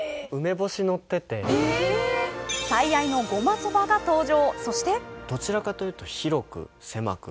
最愛のごまそばが登場。